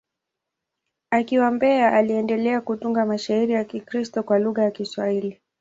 Akiwa Mbeya, aliendelea kutunga mashairi ya Kikristo kwa lugha ya Kiswahili.